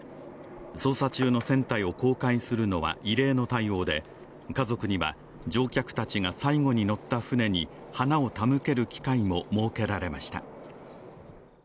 捜査中の船体を公開するのは異例の対応で、家族には乗客たちが最後に乗った船に花を手向ける機会も設けられました。